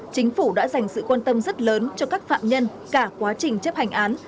chính phủ đã dành sự quan tâm rất lớn cho các phạm nhân cả quá trình chấp hành án